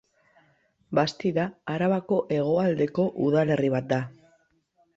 Bastida Arabako hegoaldeko udalerri bat da.